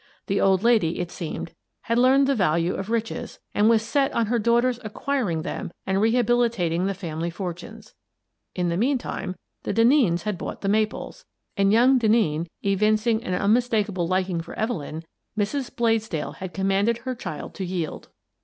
The old lady, it seemed, had learned the value of riches, and was set on her daughter's acquiring them and rehabilitating the family fortunes. In the meantime, the Denneens had bought "The Maples," and, young Denneen evincing an unmistakable liking for Evelyn, Mrs. Bladesdell had commanded her child to yield.